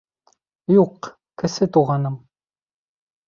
— Юҡ, Кесе Туғаным.